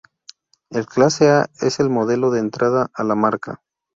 El Clase A es el modelo de entrada a la marca.